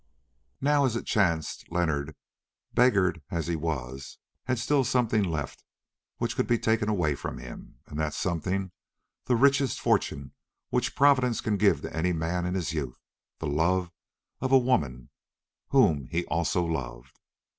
Now, as it chanced, Leonard, beggared as he was, had still something left which could be taken away from him, and that something the richest fortune which Providence can give to any man in his youth, the love of a woman whom he also loved.